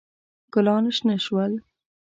ګلان شنه شول.